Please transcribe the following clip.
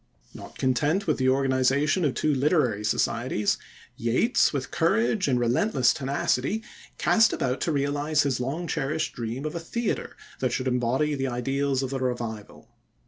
Not content with the organization of the two literary societies, Yeats, with courage and relentless tenacity, cast about to realize his long cherished dream of a theatre that should embody the ideals of the Revival.